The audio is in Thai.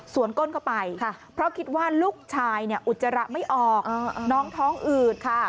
ส่วนก้นเข้าไปเพราะคิดว่าลูกชายอุจจาระไม่ออกน้องท้องอืดค่ะ